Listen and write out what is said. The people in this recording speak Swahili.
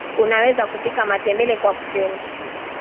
unaweza kupika matembele kwa kuchemsha